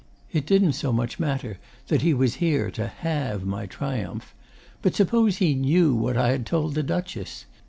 It didn't so much matter that he was here to halve my triumph. But suppose he knew what I had told the Duchess!